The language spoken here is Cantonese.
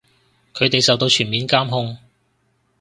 佢哋受到全面監控